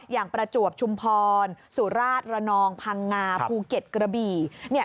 ประจวบชุมพรสุราชระนองพังงาภูเก็ตกระบี่